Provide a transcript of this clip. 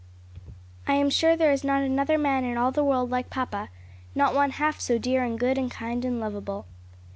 "I am sure there is not another man in all the world like papa; not one half so dear and good and kind and lovable."